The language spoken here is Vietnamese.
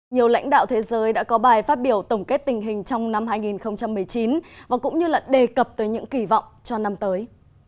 nhiều lãnh đạo thế giới đã có bài phát biểu tổng kết tình hình trong năm hai nghìn một mươi chín và cũng như là đề cập tới những kỳ vọng cho năm tới